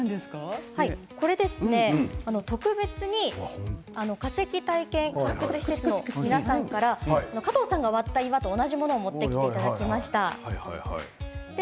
これは特別に化石体験施設の皆さんから加藤さんが割った岩と同じものを持ってきていただきました。